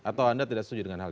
atau anda tidak setuju dengan hal